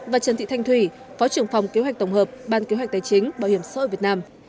và trần thị thanh thủy phó trưởng phòng kế hoạch tổng hợp ban kế hoạch tài chính bảo hiểm xã hội việt nam